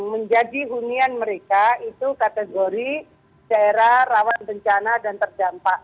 menjadi hunian mereka itu kategori daerah rawan bencana dan terdampak